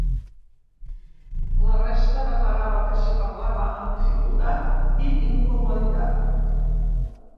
La resta declarava que el parlava amb dificultat i incomoditat.